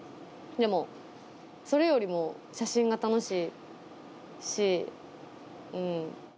でもそれよりも写真が楽しいし。